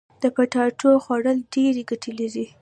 د پټاټو خوړل ډيري ګټي لري.